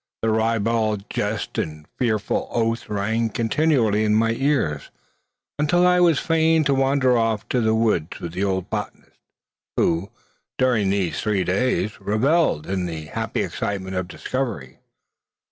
The ribald jest and fearful oath rang continually in my ears, until I was fain to wander off to the woods with the old botanist, who, during these three days, revelled in the happy excitement of discovery.